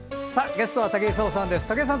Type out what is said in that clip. ゲストは武井壮さん。